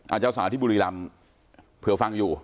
เจ้าสาวที่บุรีรำเผื่อฟังอยู่